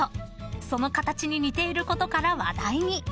その形に似ていることから話題に］